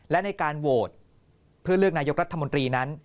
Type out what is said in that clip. และในการโหวตเพื่อเลือกนายกรัฐมนตรีนั้น